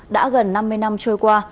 đã gần năm mươi năm trôi qua